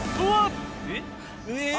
・え！